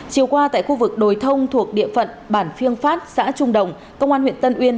chiều qua tại khu vực đồi thông thuộc địa phận bản phiêng phát xã trung đồng công an huyện tân uyên